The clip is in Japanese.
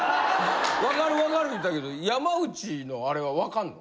わかるわかる言うたけど山内のあれはわかんの？